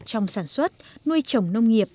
trong sản xuất nuôi trồng nông nghiệp